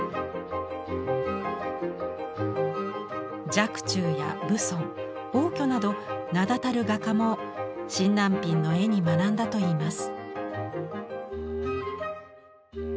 若冲や蕪村応挙など名だたる画家も沈南蘋の絵に学んだといいます。